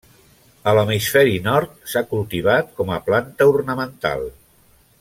A l'hemisferi nord s'ha cultivat com a planta ornamental.